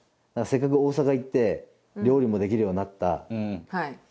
せっかく大阪行って料理もできるようになった。